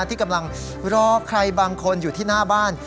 ที่กำลังรอใครบางคนอยู่ที่หน้าบ้าน